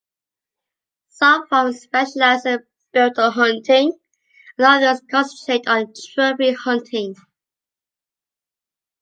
Some farms specialize in biltong hunting and others concentrate on trophy hunting.